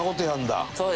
「そうですね」